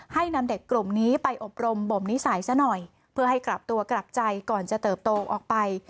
ให้นำเด็กกลุ่มนี้ไปอบรมบ่มนิสัยซะหน่อยเพื่อให้กลับตัวกลับใจก่อนจะเติบโตออกไป